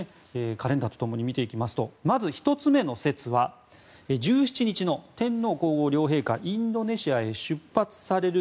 カレンダーと共に見ていきますとまず１つ目の説は１７日の天皇・皇后両陛下がインドネシアへ出発される